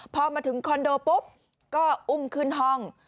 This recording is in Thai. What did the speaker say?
พอมาถึงคอนโดปุ๊บก็อุ้มขึ้นห้อง